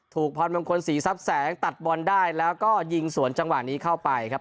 พรมงคลศรีทรัพย์แสงตัดบอลได้แล้วก็ยิงสวนจังหวะนี้เข้าไปครับ